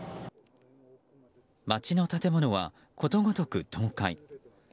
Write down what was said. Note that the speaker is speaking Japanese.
街の建物はことごとく倒壊。